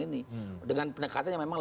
ini dengan pendekatan yang memang